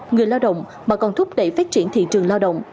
người lao động mà còn thúc đẩy phát triển thị trường lao động